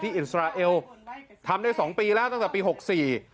ที่อิสราเอลทำได้๒ปีแล้วตั้งแต่ปี๖๔